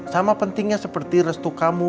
sama pentingnya seperti restu kamu